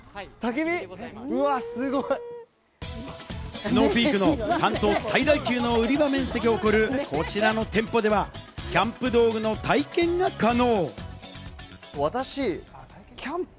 スノーピークの関東最大級の売り場面積を誇るこちらの店舗では、キャンプ道具の体験が可能。